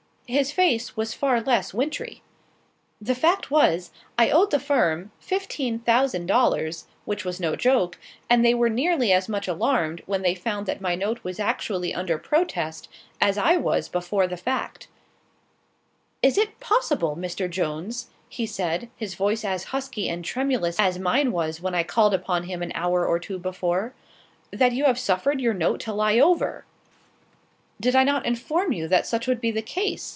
His face was far less wintry. The fact was, I owed the firm fifteen thousand dollars, which was no joke; and they were nearly as much alarmed, when they found that my note was actually under protest, as I was before the fact. "Is it possible, Mr. Jones," he said, his voice as husky and tremulous as mine was when I called upon him an hour or two before, "that you have suffered your note to lie over!" "Did I not inform you that such would be the case?"